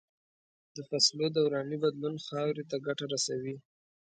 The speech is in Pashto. د فصلو دوراني بدلون خاورې ته ګټه رسوي.